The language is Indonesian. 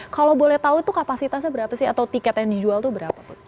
kalau boleh tahu itu kapasitasnya berapa sih atau tiket yang dijual itu berapa bu